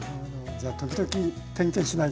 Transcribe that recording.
じゃあ時々点検しないと。